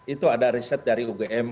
itu ada riset dari ugm